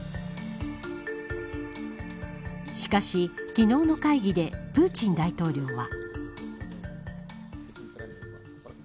しかし、昨日の会議でプーチン大統領は。